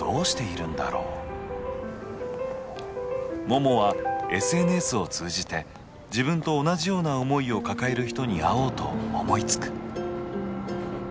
ももはＳＮＳを通じて自分と同じような思いを抱える人に会おうと思いつく。